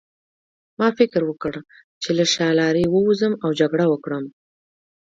ما فکر وکړ چې له شا لارې ووځم او جګړه وکړم